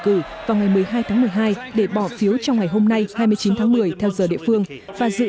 cử vào ngày một mươi hai tháng một mươi hai để bỏ phiếu trong ngày hôm nay hai mươi chín tháng một mươi theo giờ địa phương và dự